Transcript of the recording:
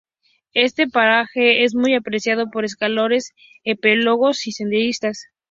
Este paraje es muy apreciado por escaladores, espeleólogos y senderistas.